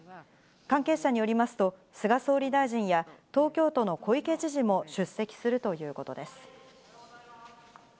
関係者によりますと、菅総理大臣や東京都の小池知事も出席するということです。